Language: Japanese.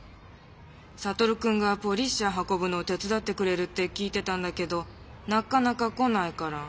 サトルくんがポリッシャー運ぶの手つだってくれるって聞いてたんだけどなかなか来ないから。